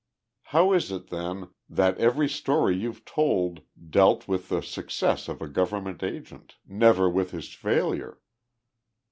"How is it, then, that every story you've told dealt with the success of a government agent never with his failure?"